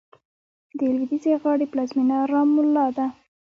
د لوېدیځې غاړې پلازمېنه رام الله ده.